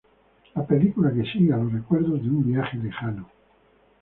La película sigue a los recuerdos de un viaje lejano.